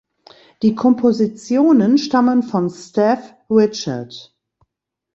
Die Kompositionen stammen von Steph Richard.